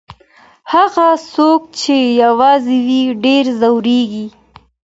هغه څوک چي يوازې وي ډېر ځوريږي.